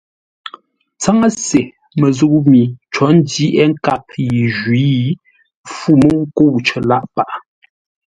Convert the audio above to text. Tsáŋə́se məzʉ̂ mi có ndyəghʼə́ nkâp yi jwǐ fû mə́u ńkə̂u cər lâʼ paghʼə.